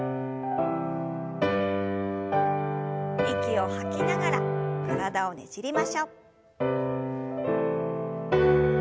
息を吐きながら体をねじりましょう。